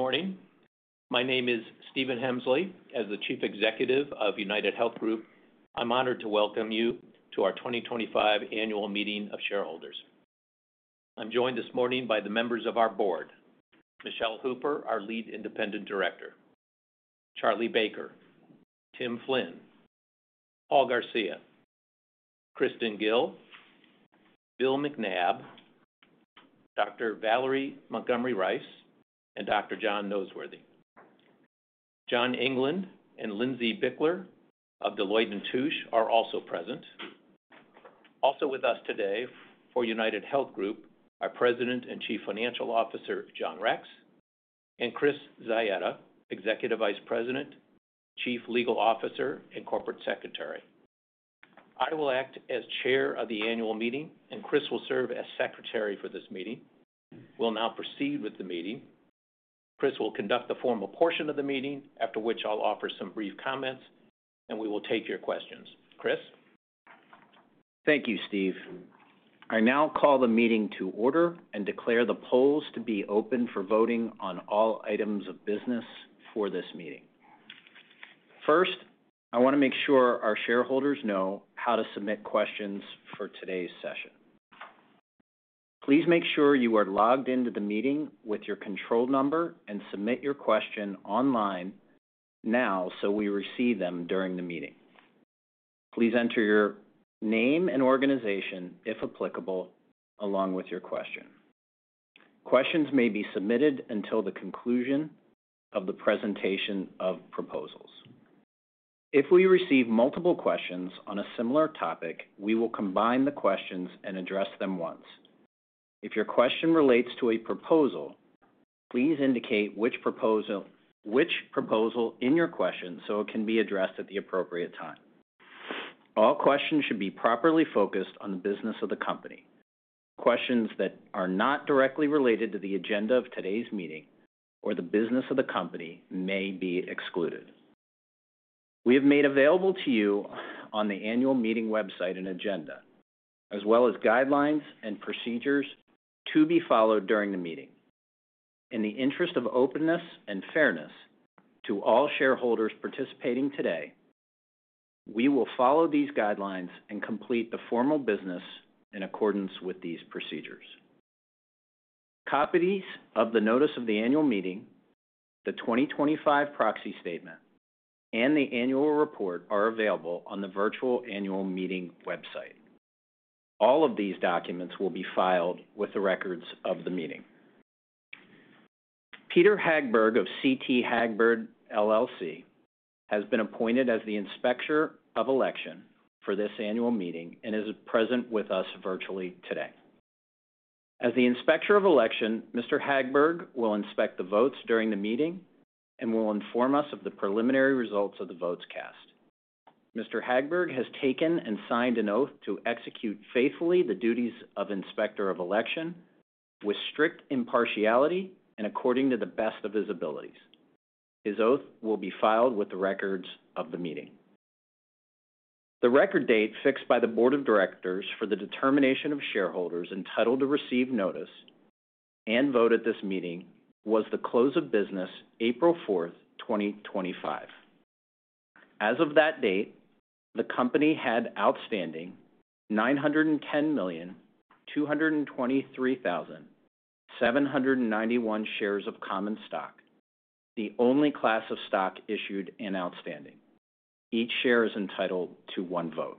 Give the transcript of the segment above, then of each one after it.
Good morning. My name is Stephen Hemsley. As the Chief Executive of UnitedHealth Group, I'm honored to welcome you to our 2025 Annual Meeting of Shareholders. I'm joined this morning by the members of our board: Michele Hooper, our Lead Independent Director; Charlie Baker; Tim Flynn; Paul Garcia; Kristen Gil; Bill McNabb; Dr. Valerie Montgomery Rice; and Dr. John Noseworthy. John England and Lindsay Bickler of Deloitte & Touche are also present. Also with us today for UnitedHealth Group are President and Chief Financial Officer John Rex and Chris Zaetta, Executive Vice President, Chief Legal Officer, and Corporate Secretary. I will act as Chair of the Annual Meeting, and Chris will serve as Secretary for this meeting. We'll now proceed with the meeting. Chris will conduct the formal portion of the meeting, after which I'll offer some brief comments, and we will take your questions. Chris? Thank you, Steve. I now call the meeting to order and declare the polls to be open for voting on all items of business for this meeting. First, I want to make sure our shareholders know how to submit questions for today's session. Please make sure you are logged into the meeting with your control number and submit your question online now so we receive them during the meeting. Please enter your name and organization, if applicable, along with your question. Questions may be submitted until the conclusion of the presentation of proposals. If we receive multiple questions on a similar topic, we will combine the questions and address them once. If your question relates to a proposal, please indicate which proposal in your question so it can be addressed at the appropriate time. All questions should be properly focused on the business of the company. Questions that are not directly related to the agenda of today's meeting or the business of the company may be excluded. We have made available to you on the Annual Meeting website an agenda, as well as guidelines and procedures to be followed during the meeting. In the interest of openness and fairness to all shareholders participating today, we will follow these guidelines and complete the formal business in accordance with these procedures. Copies of the Notice of the Annual Meeting, the 2025 Proxy Statement, and the Annual Report are available on the virtual Annual Meeting website. All of these documents will be filed with the records of the meeting. Peter Hagberg of CT Hagberg, LLC, has been appointed as the Inspector of Election for this Annual Meeting and is present with us virtually today. As the Inspector of Election, Mr. Hagberg will inspect the votes during the meeting and will inform us of the preliminary results of the votes cast. Mr. Hagberg has taken and signed an oath to execute faithfully the duties of Inspector of Election with strict impartiality and according to the best of his abilities. His oath will be filed with the records of the meeting. The record date fixed by the Board of Directors for the determination of shareholders entitled to receive notice and vote at this meeting was the close of business, April 4th, 2025. As of that date, the company had outstanding 910,223,791 shares of common stock, the only class of stock issued and outstanding. Each share is entitled to one vote.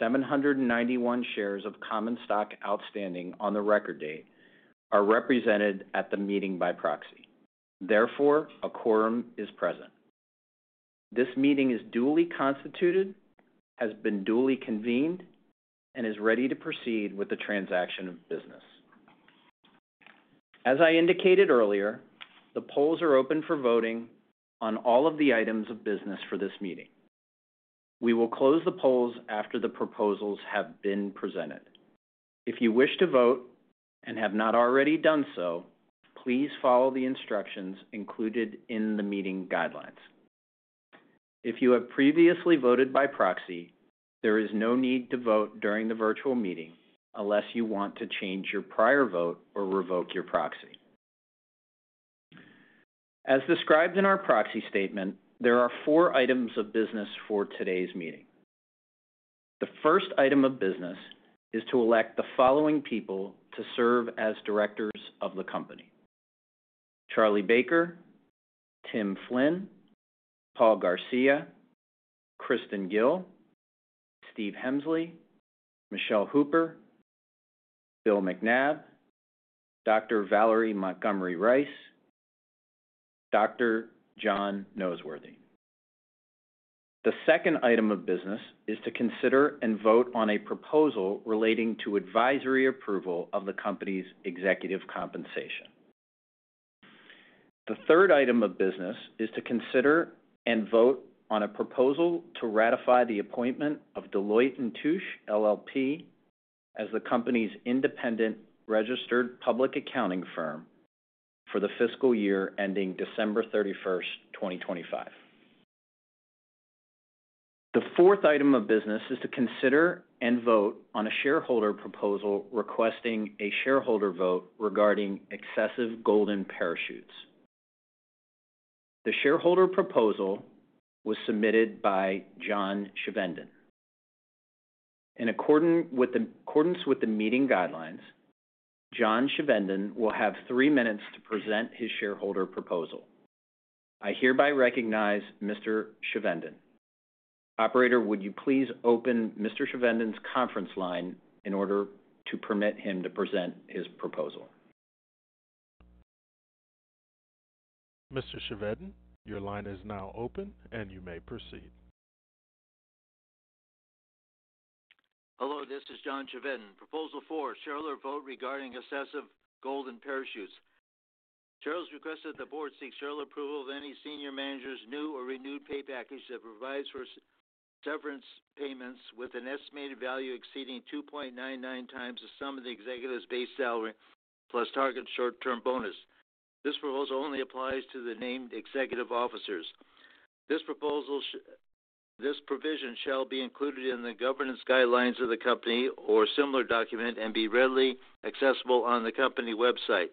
811,858,119 shares of common stock, out of a total of 910,223,791 shares of common stock outstanding on the record date, are represented at the meeting by proxy. Therefore, a quorum is present. This meeting is duly constituted, has been duly convened, and is ready to proceed with the transaction of business. As I indicated earlier, the polls are open for voting on all of the items of business for this meeting. We will close the polls after the proposals have been presented. If you wish to vote and have not already done so, please follow the instructions included in the meeting guidelines. If you have previously voted by proxy, there is no need to vote during the virtual meeting unless you want to change your prior vote or revoke your proxy. As described in our proxy statement, there are four items of business for today's meeting. The first item of business is to elect the following people to serve as directors of the company: Charlie Baker, Tim Flynn, Paul Garcia, Kristen Gil, Steve Hemsley, Michele Hooper, Bill McNabb, Dr. Valerie Montgomery Rice, Dr. John Noseworthy. The second item of business is to consider and vote on a proposal relating to advisory approval of the company's executive compensation. The third item of business is to consider and vote on a proposal to ratify the appointment of Deloitte & Touche LLP as the company's independent registered public accounting firm for the fiscal year ending December 31st, 2025. The fourth item of business is to consider and vote on a shareholder proposal requesting a shareholder vote regarding excessive golden parachutes. The shareholder proposal was submitted by John Chevedden. In accordance with the meeting guidelines, John Chevedden will have three minutes to present his shareholder proposal. I hereby recognize Mr. Chevedden. Operator, would you please open Mr. Chevedden's conference line in order to permit him to present his proposal? Mr. Chevedden, your line is now open, and you may proceed. Hello, this is John Chevedden. Proposal four, shareholder vote regarding excessive golden parachutes. Shareholders request that the board seek shareholder approval of any senior manager's new or renewed pay package that provides for severance payments with an estimated value exceeding 2.99x the sum of the executive's base salary plus target short-term bonus. This proposal only applies to the named executive officers. This provision shall be included in the governance guidelines of the company or similar document and be readily accessible on the company website.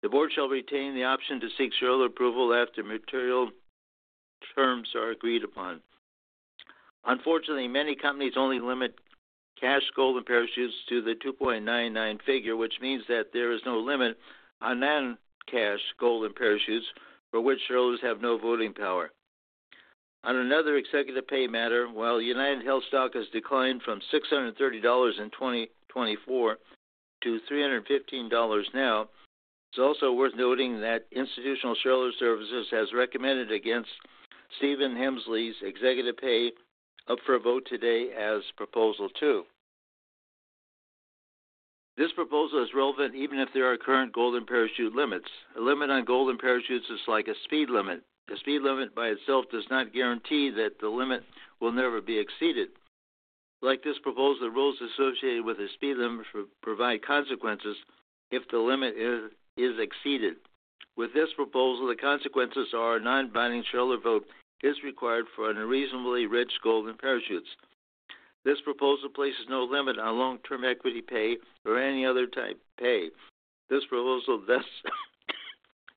The board shall retain the option to seek shareholder approval after material terms are agreed upon. Unfortunately, many companies only limit cash golden parachutes to the 2.99 figure, which means that there is no limit on non-cash golden parachutes for which shareholders have no voting power. On another executive pay matter, while UnitedHealth stock has declined from $630 in 2024 to $315 now, it's also worth noting that Institutional shareholder services has recommended against Stephen Hemsley's executive pay up for a vote today as proposal two. This proposal is relevant even if there are current golden parachute limits. A limit on golden parachutes is like a speed limit. A speed limit by itself does not guarantee that the limit will never be exceeded. Like this proposal, the rules associated with a speed limit provide consequences if the limit is exceeded. With this proposal, the consequences are a non-binding shareholder vote is required for unreasonably rich golden parachutes. This proposal places no limit on long-term equity pay or any other type pay. This proposal thus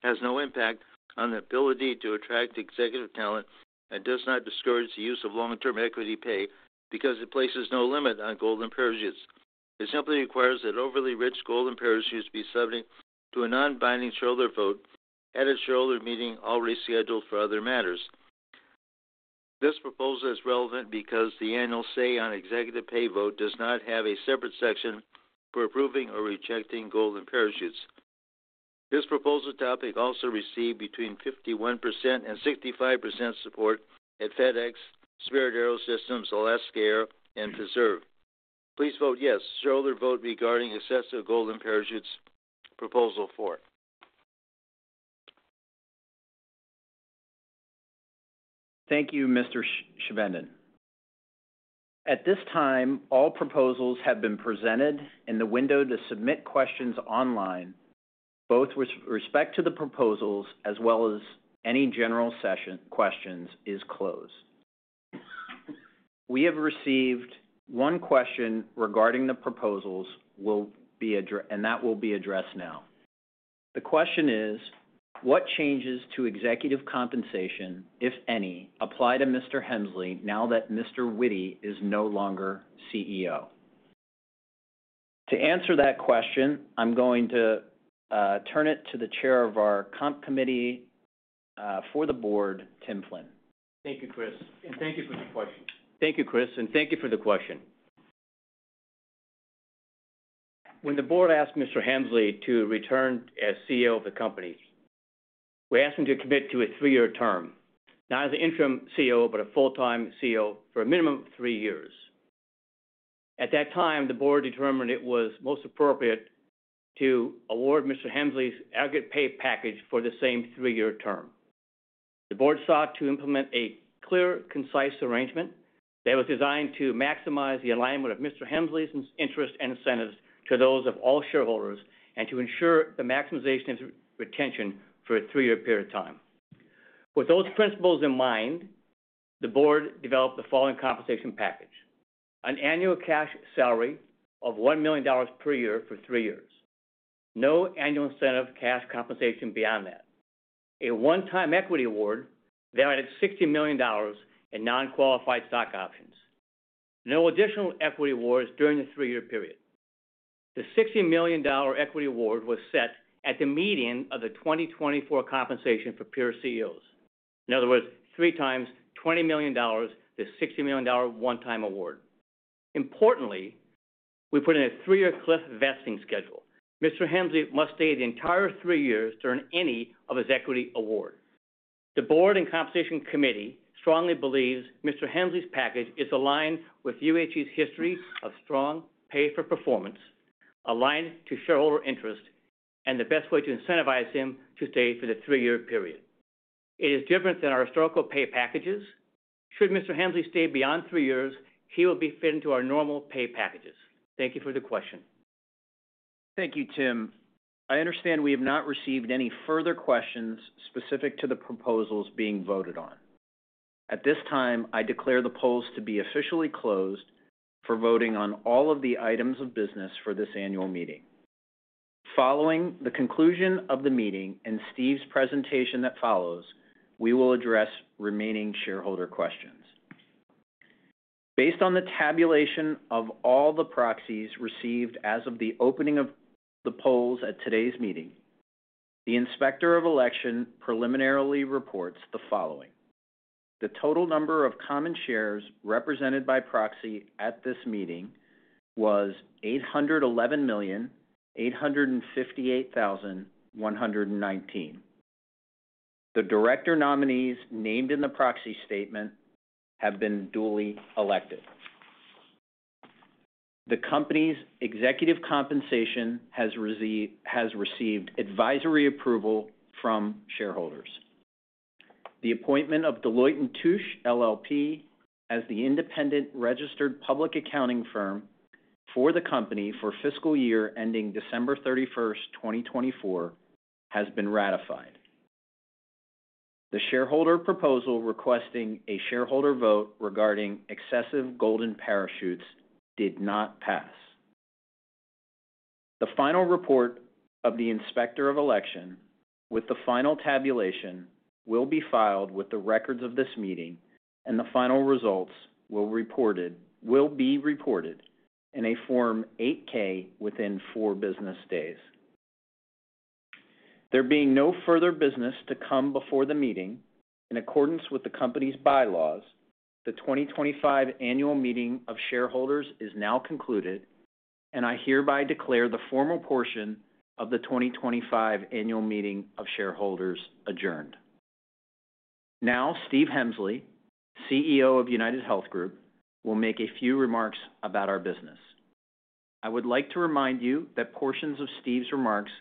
has no impact on the ability to attract executive talent and does not discourage the use of long-term equity pay because it places no limit on golden parachutes. It simply requires that overly rich golden parachutes be submitted to a non-binding shareholder vote at a shareholder meeting already scheduled for other matters. This proposal is relevant because the annual say on executive pay vote does not have a separate section for approving or rejecting golden parachutes. This proposal topic also received between 51% and 65% support at FedEx, Spirit AeroSystems, Alaska Air, and Preserve. Please vote yes to shareholder vote regarding excessive golden parachutes proposal four. Thank you, Mr. Chevedden. At this time, all proposals have been presented, and the window to submit questions online, both with respect to the proposals as well as any general questions, is closed. We have received one question regarding the proposals, and that will be addressed now. The question is, what changes to executive compensation, if any, apply to Mr. Hemsley now that Mr. Witty is no longer CEO? To answer that question, I'm going to turn it to the Chair of our Comp Committee for the board, Tim Flynn. Thank you, Chris. Thank you for the question. Thank you, Chris. Thank you for the question. When the board asked Mr. Hemsley to return as CEO of the company, we asked him to commit to a three-year term, not as an interim CEO but a full-time CEO for a minimum of three years. At that time, the board determined it was most appropriate to award Mr. Hemsley's aggregate pay package for the same three-year term. The board sought to implement a clear, concise arrangement that was designed to maximize the alignment of Mr. Hemsley's interest and incentives to those of all shareholders and to ensure the maximization of retention for a three-year period of time. With those principles in mind, the board developed the following compensation package: an annual cash salary of $1 million per year for three years, no annual incentive cash compensation beyond that, a one-time equity award valued at $60 million in non-qualified stock options, no additional equity awards during the three-year period. The $60 million equity award was set at the median of the 2024 compensation for peer CEOs. In other words, three times $20 million, the $60 million one-time award. Importantly, we put in a three-year cliff vesting schedule. Mr. Hemsley must stay the entire three years during any of his equity awards. The board and compensation committee strongly believes Mr. Hemsley's package is aligned with UHG's history of strong pay-for-performance, aligned to shareholder interest, and the best way to incentivize him to stay for the three-year period. It is different than our historical pay packages. Should Mr. Hemsley stay beyond three years, he will be fitted into our normal pay packages. Thank you for the question. Thank you, Tim. I understand we have not received any further questions specific to the proposals being voted on. At this time, I declare the polls to be officially closed for voting on all of the items of business for this annual meeting. Following the conclusion of the meeting and Steve's presentation that follows, we will address remaining shareholder questions. Based on the tabulation of all the proxies received as of the opening of the polls at today's meeting, the Inspector of Election preliminarily reports the following: the total number of common shares represented by proxy at this meeting was 811,858,119. The director nominees named in the proxy statement have been duly elected. The company's executive compensation has received advisory approval from shareholders. The appointment of Deloitte & Touche LLP as the independent registered public accounting firm for the company for fiscal year ending December 31st, 2024, has been ratified. The shareholder proposal requesting a shareholder vote regarding excessive golden parachutes did not pass. The final report of the Inspector of Election with the final tabulation will be filed with the records of this meeting, and the final results will be reported in a Form 8-K within four business days. There being no further business to come before the meeting, in accordance with the company's bylaws, the 2025 Annual Meeting of Shareholders is now concluded, and I hereby declare the formal portion of the 2025 Annual Meeting of Shareholders adjourned. Now, Steve Hemsley, CEO of UnitedHealth Group, will make a few remarks about our business. I would like to remind you that portions of Steve's remarks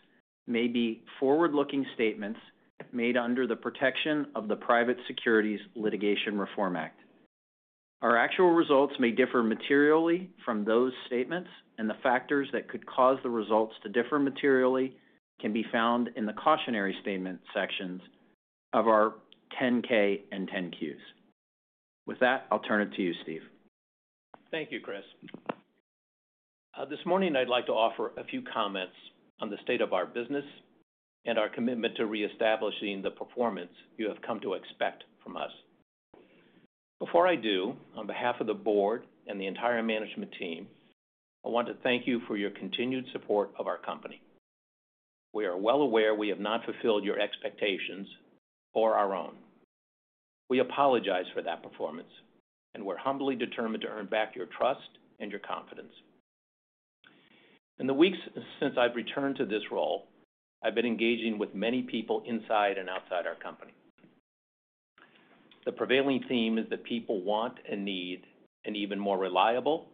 may be forward-looking statements made under the protection of the Private Securities Litigation Reform Act. Our actual results may differ materially from those statements, and the factors that could cause the results to differ materially can be found in the cautionary statement sections of our 10-K and 10-Qs. With that, I'll turn it to you, Steve. Thank you, Chris. This morning, I'd like to offer a few comments on the state of our business and our commitment to reestablishing the performance you have come to expect from us. Before I do, on behalf of the board and the entire management team, I want to thank you for your continued support of our company. We are well aware we have not fulfilled your expectations or our own. We apologize for that performance, and we're humbly determined to earn back your trust and your confidence. In the weeks since I've returned to this role, I've been engaging with many people inside and outside our company. The prevailing theme is that people want and need an even more reliable,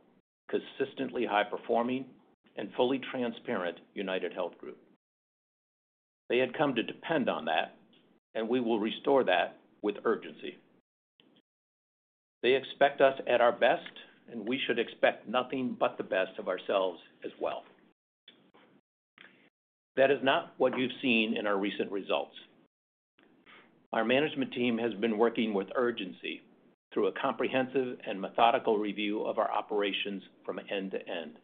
consistently high-performing, and fully transparent UnitedHealth Group. They had come to depend on that, and we will restore that with urgency. They expect us at our best, and we should expect nothing but the best of ourselves as well. That is not what you've seen in our recent results. Our management team has been working with urgency through a comprehensive and methodical review of our operations from end to end,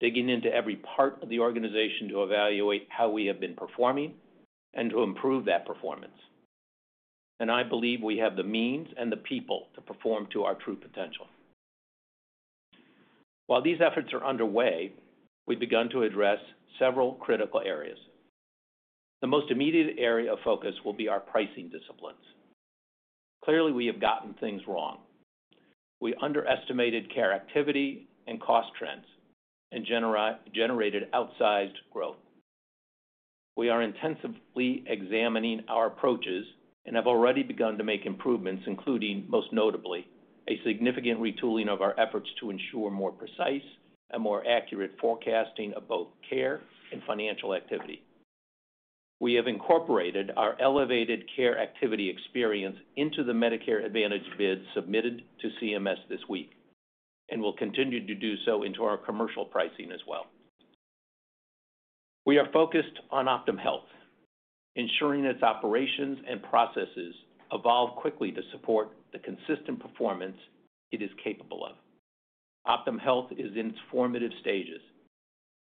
digging into every part of the organization to evaluate how we have been performing and to improve that performance. I believe we have the means and the people to perform to our true potential. While these efforts are underway, we've begun to address several critical areas. The most immediate area of focus will be our pricing disciplines. Clearly, we have gotten things wrong. We underestimated care activity and cost trends and generated outsized growth. We are intensively examining our approaches and have already begun to make improvements, including, most notably, a significant retooling of our efforts to ensure more precise and more accurate forecasting of both care and financial activity. We have incorporated our elevated care activity experience into the Medicare Advantage bid submitted to CMS this week and will continue to do so into our commercial pricing as well. We are focused on Optum Health, ensuring its operations and processes evolve quickly to support the consistent performance it is capable of. Optum Health is in its formative stages.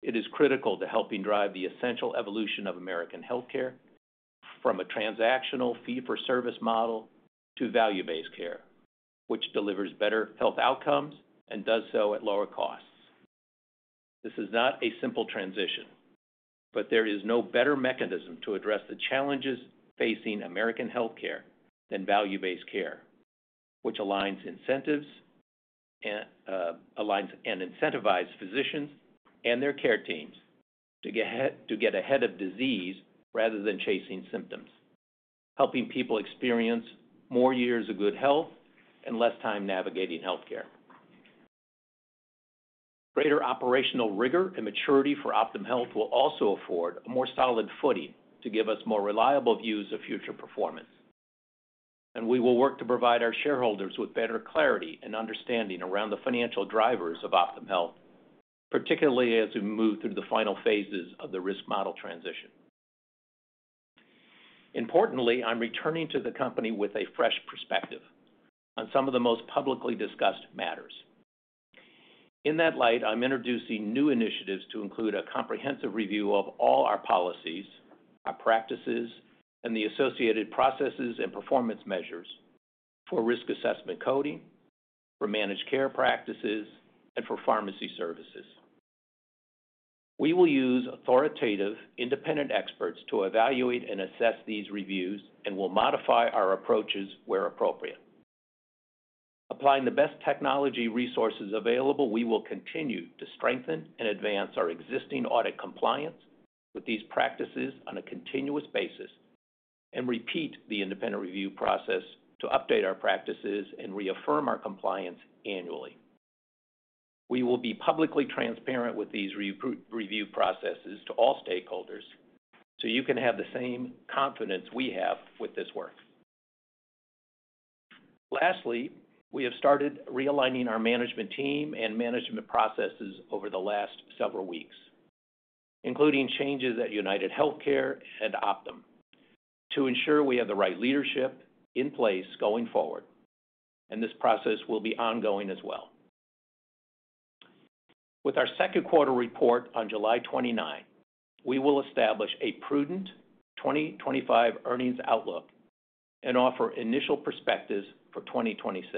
It is critical to helping drive the essential evolution of American healthcare from a transactional fee-for-service model to value-based care, which delivers better health outcomes and does so at lower costs. This is not a simple transition, but there is no better mechanism to address the challenges facing American healthcare than value-based care, which aligns incentives and incentivizes physicians and their care teams to get ahead of disease rather than chasing symptoms, helping people experience more years of good health and less time navigating healthcare. Greater operational rigor and maturity for Optum Health will also afford a more solid footing to give us more reliable views of future performance. We will work to provide our shareholders with better clarity and understanding around the financial drivers of Optum Health, particularly as we move through the final phases of the risk model transition. Importantly, I'm returning to the company with a fresh perspective on some of the most publicly discussed matters. In that light, I'm introducing new initiatives to include a comprehensive review of all our policies, our practices, and the associated processes and performance measures for risk assessment coding, for managed care practices, and for pharmacy services. We will use authoritative, independent experts to evaluate and assess these reviews and will modify our approaches where appropriate. Applying the best technology resources available, we will continue to strengthen and advance our existing audit compliance with these practices on a continuous basis and repeat the independent review process to update our practices and reaffirm our compliance annually. We will be publicly transparent with these review processes to all stakeholders so you can have the same confidence we have with this work. Lastly, we have started realigning our management team and management processes over the last several weeks, including changes at UnitedHealthcare and Optum, to ensure we have the right leadership in place going forward. This process will be ongoing as well. With our second quarter report on July 29, we will establish a prudent 2025 earnings outlook and offer initial perspectives for 2026.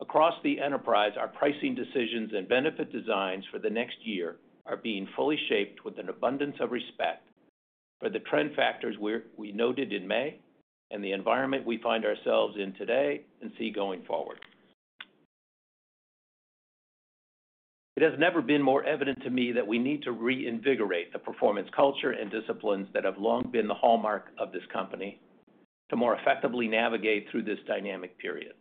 Across the enterprise, our pricing decisions and benefit designs for the next year are being fully shaped with an abundance of respect for the trend factors we noted in May and the environment we find ourselves in today and see going forward. It has never been more evident to me that we need to reinvigorate the performance culture and disciplines that have long been the hallmark of this company to more effectively navigate through this dynamic period.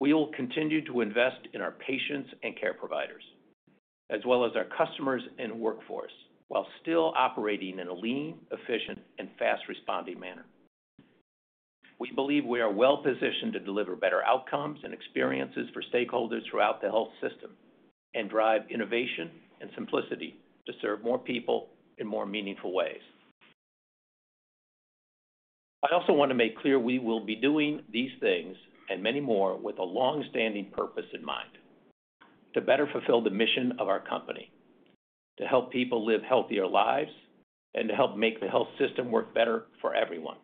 We will continue to invest in our patients and care providers, as well as our customers and workforce, while still operating in a lean, efficient, and fast-responding manner. We believe we are well-positioned to deliver better outcomes and experiences for stakeholders throughout the health system and drive innovation and simplicity to serve more people in more meaningful ways. I also want to make clear we will be doing these things and many more with a long-standing purpose in mind: to better fulfill the mission of our company, to help people live healthier lives, and to help make the health system work better for everyone.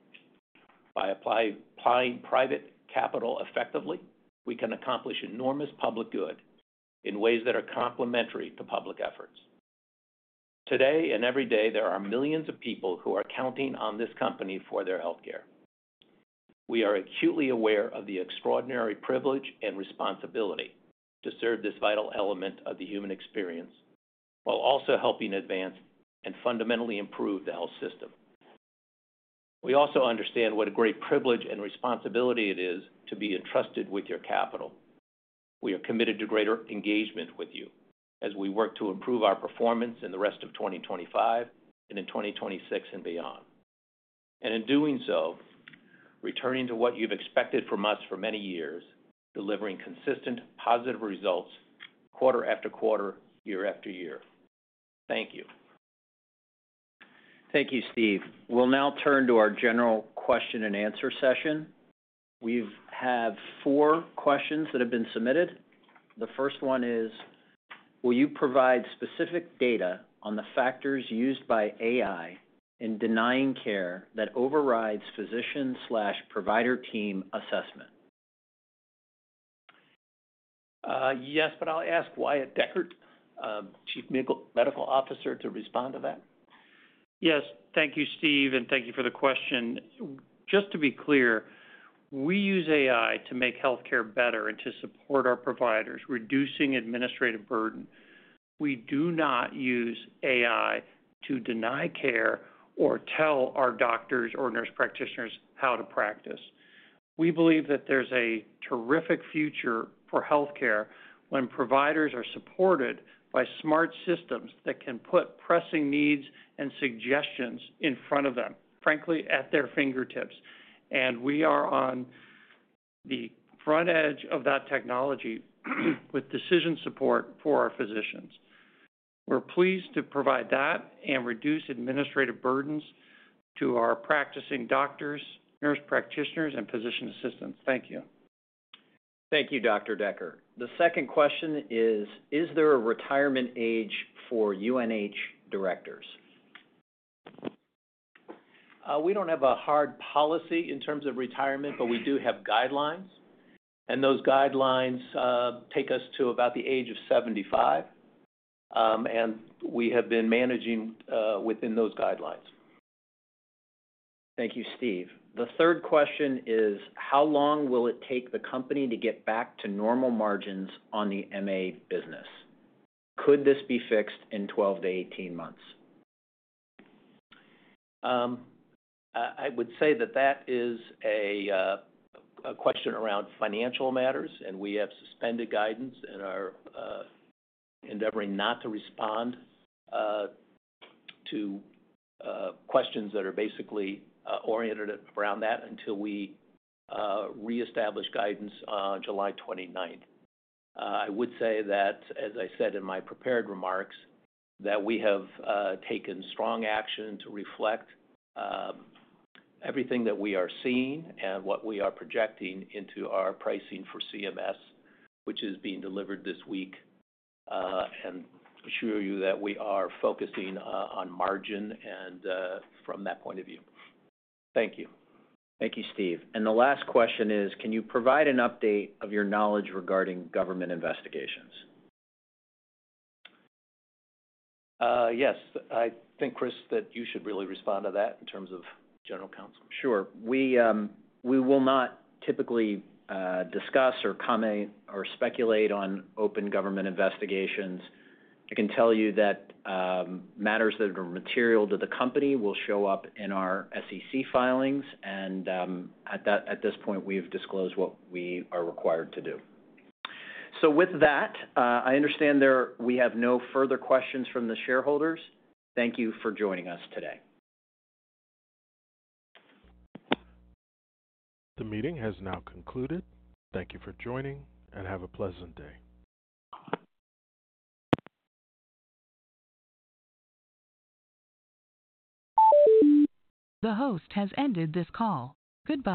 By applying private capital effectively, we can accomplish enormous public good in ways that are complementary to public efforts. Today and every day, there are millions of people who are counting on this company for their healthcare. We are acutely aware of the extraordinary privilege and responsibility to serve this vital element of the human experience while also helping advance and fundamentally improve the health system. We also understand what a great privilege and responsibility it is to be entrusted with your capital. We are committed to greater engagement with you as we work to improve our performance in the rest of 2025 and in 2026 and beyond. In doing so, returning to what you've expected from us for many years, delivering consistent positive results quarter after quarter, year after year. Thank you. Thank you, Steve. We'll now turn to our general question-and-answer session. We have four questions that have been submitted. The first one is, will you provide specific data on the factors used by AI in denying care that overrides physician/provider team assessment? Yes, but I'll ask Wyatt Decker, Chief Medical Officer, to respond to that. Yes. Thank you, Steve, and thank you for the question. Just to be clear, we use AI to make healthcare better and to support our providers, reducing administrative burden. We do not use AI to deny care or tell our doctors or nurse practitioners how to practice. We believe that there's a terrific future for healthcare when providers are supported by smart systems that can put pressing needs and suggestions in front of them, frankly, at their fingertips. We are on the front edge of that technology with decision support for our physicians. We're pleased to provide that and reduce administrative burdens to our practicing doctors, nurse practitioners, and physician assistants. Thank you. Thank you, Dr. Decker. The second question is, is there a retirement age for UNH directors? We don't have a hard policy in terms of retirement, but we do have guidelines. Those guidelines take us to about the age of 75. We have been managing within those guidelines. Thank you, Steve. The third question is, how long will it take the company to get back to normal margins on the MA business? Could this be fixed in 12 months-18 months? I would say that that is a question around financial matters, and we have suspended guidance and are endeavoring not to respond to questions that are basically oriented around that until we reestablish guidance on July 29. I would say that, as I said in my prepared remarks, we have taken strong action to reflect everything that we are seeing and what we are projecting into our pricing for CMS, which is being delivered this week. I assure you that we are focusing on margin and from that point of view. Thank you. Thank you, Steve. The last question is, can you provide an update of your knowledge regarding government investigations? Yes. I think, Chris, that you should really respond to that in terms of general counsel. Sure. We will not typically discuss or speculate on open government investigations. I can tell you that matters that are material to the company will show up in our SEC filings. At this point, we have disclosed what we are required to do. With that, I understand we have no further questions from the shareholders. Thank you for joining us today. The meeting has now concluded. Thank you for joining and have a pleasant day. The host has ended this call. Good.